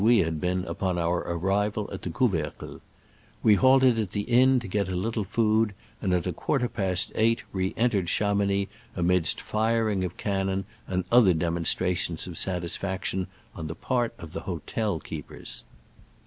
we had been upon our arrival at the Couvercle. We halted at the inn to get a little food, and at a quarter past eight re entered Cha mounix amidst firing of cannon and other demonstrations of satisfaction on the part of the hotel keepers.